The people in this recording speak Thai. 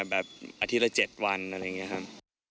แบบอาทิตย์ละ๗วันอะไรอย่างนี้ครับ